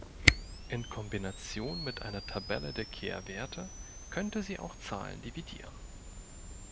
In Kombination mit einer Tabelle der Kehrwerte könnte sie auch Zahlen dividieren.